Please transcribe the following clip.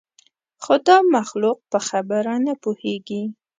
خو دا مخلوق په خبره نه پوهېږي.